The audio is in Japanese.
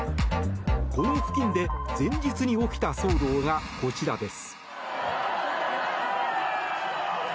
この付近で前日に起きた騒動がこちらです。